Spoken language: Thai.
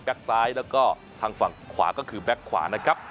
ซ้ายแล้วก็ทางฝั่งขวาก็คือแบ็คขวานะครับ